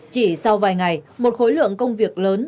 chỉ sau vài ngày một khối lượng công việc lớn